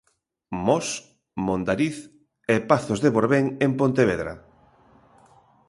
Mos, Mondariz e Pazos de Borbén en Pontevedra.